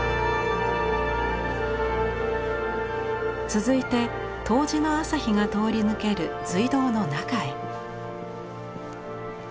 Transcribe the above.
続いて冬至の朝日が通り抜ける隧道の中へ。